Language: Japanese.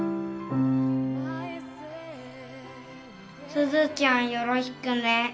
すずちゃんよろしくね。